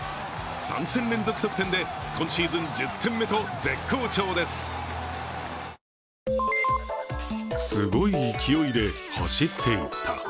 ３戦連続得点で今シーズン１０点目と絶好調です。